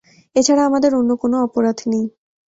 এছাড়া আমাদের অন্য কোন অপরাধ নেই।